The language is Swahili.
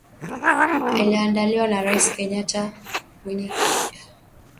iliyoandaliwa na Rais Kenyatta mwenyeji wa mkutano wa wakuu wa nchi za umoja wa afrika mashariki